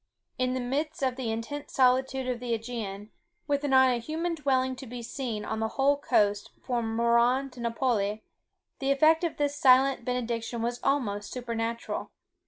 In the midst of the intense solitude of the Ægean, with not a human dwelling to be seen on the whole coast from Moron to Napoli, the effect of this silent benediction was almost supernatural.